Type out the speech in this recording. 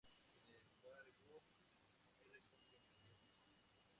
Sin embargo, hay regiones donde se consume.